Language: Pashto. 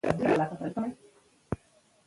راځئ چې پخپله ځانونه حقيقت ته ورسوو.